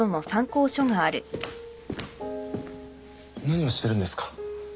何をしてるんですか？